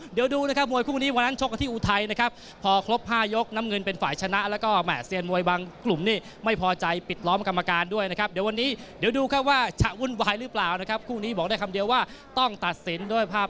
เดี๋ยวดูนะครับมวยคู่นี้วันนั้นชกกับที่อูทัยนะครับ